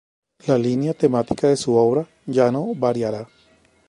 La línea temática de su obra ya no variará.